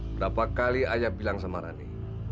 berapa kali ayah bilang sama rani